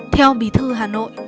theo bí thư hà nội